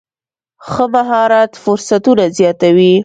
ښه مهارت فرصتونه زیاتوي.